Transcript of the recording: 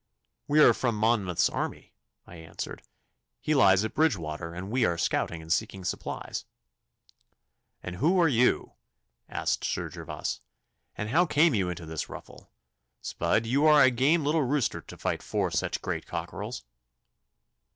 'We are from Monmouth's army,' I answered. 'He lies at Bridgewater, and we are scouting and seeking supplies.' 'And who are you?' asked Sir Gervas. 'And how came you into this ruffle? S'bud, you are a game little rooster to fight four such great cockerels!